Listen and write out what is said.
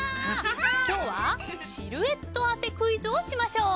今日はシルエット当てクイズをしましょう。